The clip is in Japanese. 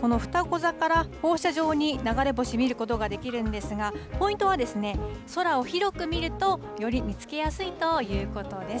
このふたご座から放射状に流れ星見ることができるんですが、ポイントは、空を広く見ると、より見つけやすいということです。